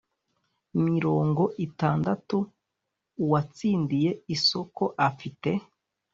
mirongo itandatu uwatsindiye isoko afite